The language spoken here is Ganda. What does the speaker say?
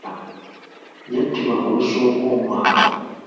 Yattibwa ku lusooka omwaka.